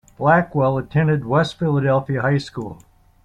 Blackwell attended West Philadelphia High School.